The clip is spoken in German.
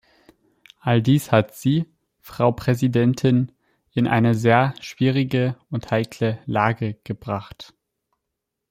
All dies hat Sie, Frau Präsidentin, in eine sehr schwierige und heikle Lage gebracht.